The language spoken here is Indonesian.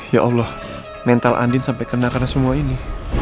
ya allah mental andin sampai kena karena semua ini